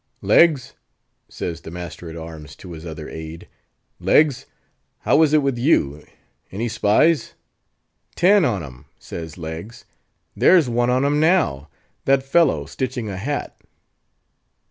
"Leggs!" says the master at arms to his other aid, "Leggs, how is it with you—any spies?" "Ten on' em," says Leggs. "There's one on 'em now—that fellow stitching a hat."